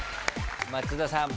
松田さん